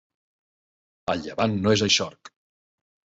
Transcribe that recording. El llevant no és eixorc.